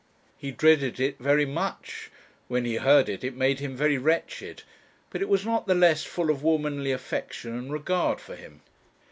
He dreaded it very much; when he heard it, it made him very wretched; but it was not the less full of womanly affection and regard for him.